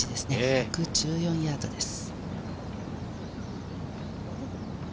１１４ヤードです。